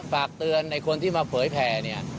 ฝากเตือนในคนที่มาเผยแผ่เนี่ย